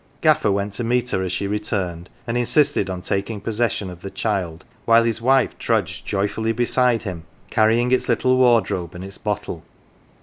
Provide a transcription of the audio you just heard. Gaffer went to meet her as she returned, and insisted on taking possession of the child, while his wife trudged joyfully beside him, carrying its little wardrobe and its bottle.